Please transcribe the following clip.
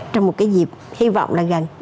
trong một cái dịp hy vọng là gần